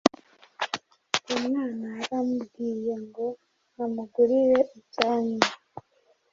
uwo mwana yari amubwiye ngo amugurire icyo anywa